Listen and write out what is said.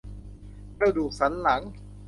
กระดูกสันหลัง